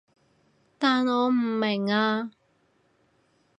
但我唔明啊